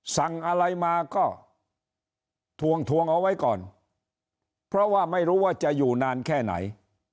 สั่งอะไรมาก็ทวงทวงเอาไว้ก่อนเพราะว่าไม่รู้ว่าจะอยู่นานแค่ไหน